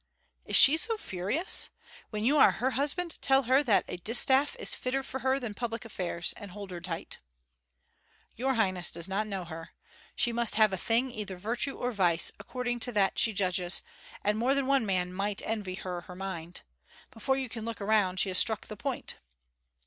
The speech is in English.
"Is she so furious? When you are her husband, tell her that a distaff is fitter for her than public affairs, and hold her tight." "Your highness does not know her. She must have a thing either virtue or vice; according to that she judges, and more than one man might envy her her mind. Before you can look around she has struck the point."